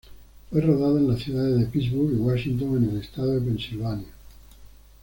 Fue rodada en las ciudades de Pittsburgh y Washington, en el estado de Pensilvania.